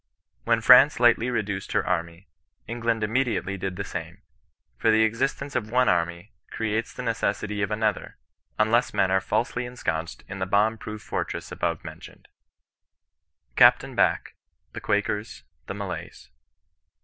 When France lately reduced her army, England im mediately did the same ; for the existence of one army creates the necessity of another, unless men are safely ensconced in the bomb proof fortress above mentioned." CAPT. BACK — THE QUAKEBS — THE MALAYS.